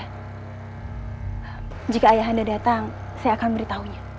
iya jika ayah anda datang saya akan memberitahunya